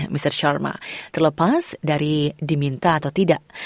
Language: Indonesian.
mr charma terlepas dari diminta atau tidak